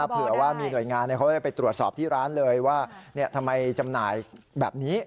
เผื่อว่ามีหน่วยงานเขาได้ไปตรวจสอบที่ร้านเลยว่าทำไมจำหน่ายแบบนี้